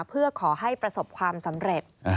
เพื่อขอให้ประสบความสำเร็จ